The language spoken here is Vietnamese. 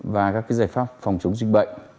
và các giải pháp phòng chống dịch bệnh